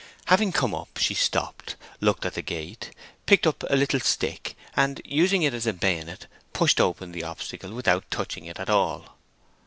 Having come up, she stopped, looked at the gate, picked up a little stick, and using it as a bayonet, pushed open the obstacle without touching it at all.